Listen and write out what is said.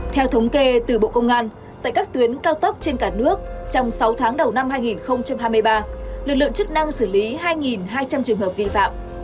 theo thống kê từ bộ công an tại các tuyến cao tốc trên cả nước trong sáu tháng đầu năm hai nghìn hai mươi ba lực lượng chức năng xử lý hai hai trăm linh trường hợp vi phạm